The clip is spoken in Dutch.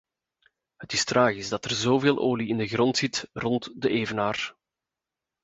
Het is tragisch dat er zoveel olie in de grond zit rond de evenaar.